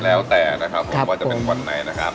แล้วแต่นะครับผมว่าจะเป็นวันไหนนะครับ